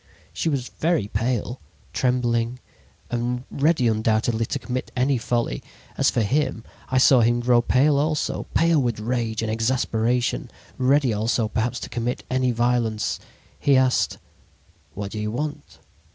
"She was very pale, trembling and ready undoubtedly to commit any folly. As for him, I saw him grow pale also, pale with rage and exasperation, ready also perhaps to commit any violence. "He asked: "'What do you want?'